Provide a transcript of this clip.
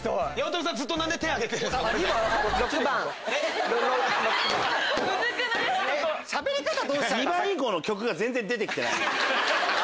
ムズくない⁉２番以降の曲が全然出て来てない。